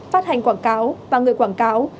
phát hành quảng cáo và người quảng cáo